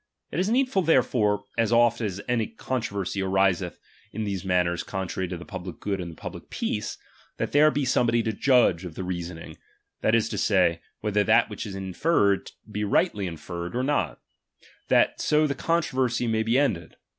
It is needful therefore, as oft as any con ^B troveray ariseth in these matters contrary to ^H pnblic good and common peace, that there be ^H somebody to judge of the reasoning, that is to say, ^H whether that which is inferred, be rightly inferred ^B or not ; that so the controversy may be ended.